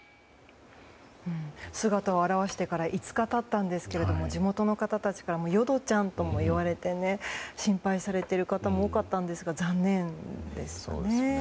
姿を現してから５日経ったんですが地元の方たちからも淀ちゃんといわれて心配されている方も多かったですが残念ですね。